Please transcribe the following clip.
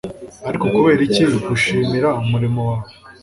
Ariko kubera iki gushimira umurimo wawe